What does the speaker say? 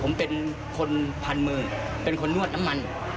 ผมเป็นคนพันมือเป็นคนนวดน้ำมัน